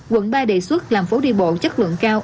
quận ba đề xuất làm phố đi bộ chất lượng cao